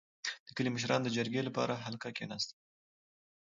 • د کلي مشران د جرګې لپاره حلقه کښېناستل.